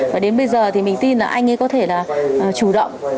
và đến bây giờ thì mình tin là anh ấy có thể là chủ động